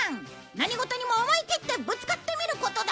何事にも思いきってぶつかってみることだ！